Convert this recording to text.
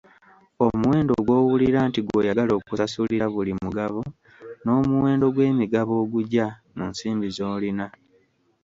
Omuwendo gw'owulira nti gw'oyagala okusasulira buli mugabo n'omuwendo gw'emigabo ogugya mu nsimbi z'olina.